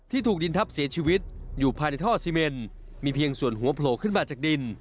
ถูกดินทับเสียชีวิตอยู่ภายในท่อซีเมนมีเพียงส่วนหัวโผล่ขึ้นมาจากดิน